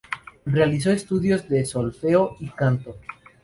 Realizó estudios de solfeo y canto.